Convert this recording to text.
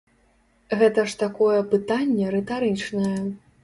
Гэта ж такое пытанне рытарычнае.